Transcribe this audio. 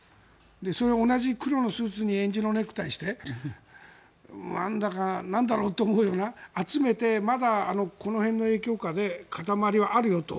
それは同じ黒のスーツにえんじのネクタイしてなんだろうと思うような集めて、まだこの辺の影響下で塊はあるよと。